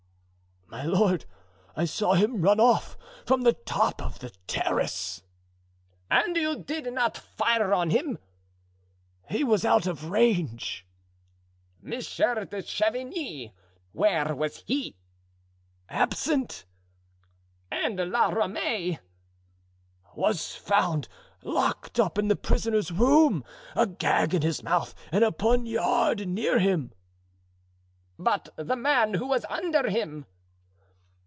"My lord, I saw him run off from the top of the terrace." "And you did not fire on him?" "He was out of range." "Monsieur de Chavigny—where was he?" "Absent." "And La Ramee?" "Was found locked up in the prisoner's room, a gag in his mouth and a poniard near him." "But the man who was under him?"